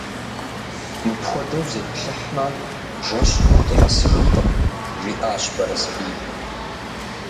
– Мыпхуэдэу зытплъыхьмэ, жэщ хъуху дыкъэсыжынкъым, – жиӀащ Бэрэсбий.